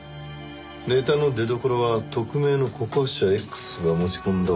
ネタの出どころは匿名の「告発者Ｘ」が持ち込んだ音声データだと。